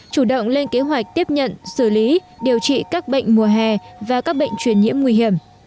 chủ động lên kế hoạch tiếp nhận xử lý điều trị các bệnh mùa hè và các bệnh truyền nhiễm nguy hiểm